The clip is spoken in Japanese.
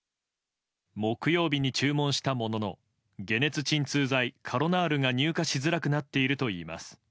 木曜日に注文したものの解熱鎮痛剤カロナールが入荷しづらくなっているといいます。